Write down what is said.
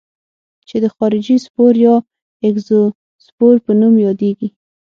چې د خارجي سپور یا اګزوسپور په نوم یادیږي.